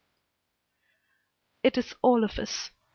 "] "It is all of us."